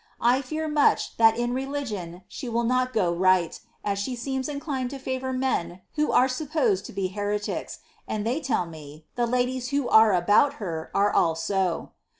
I fear Buch that in religion she will not go right, as she seems inclined to frvonr men who are supposed to be heretics, and they tell me, the ladies who mre mhont her, are all so.